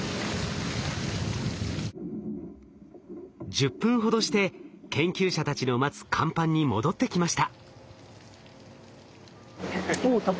１０分ほどして研究者たちの待つ甲板に戻ってきました。